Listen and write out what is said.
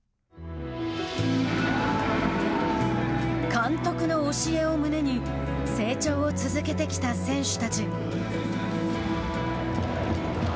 監督の教えを胸に成長を続けてきた選手たち。